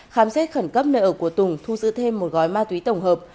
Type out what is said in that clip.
khám xét khẩn cấp nợ của tùng thu giữ thêm một gói ma túy tổng hợp